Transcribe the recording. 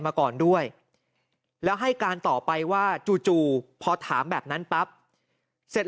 มาก่อนด้วยแล้วให้การต่อไปว่าจู่พอถามแบบนั้นปั๊บเสร็จ